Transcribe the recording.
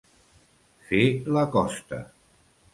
Fer la costa.